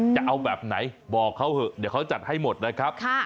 จะเอาแบบไหนบอกเขาเถอะเดี๋ยวเขาจัดให้หมดนะครับ